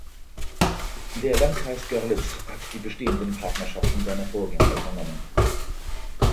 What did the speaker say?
Der Landkreis Görlitz hat die bestehenden Partnerschaften seiner Vorgänger übernommen.